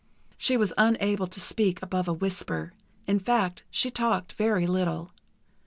She was unable to speak above a whisper; in fact, she talked very little.